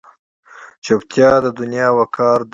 چوپتیا، د دنیا وقار دی.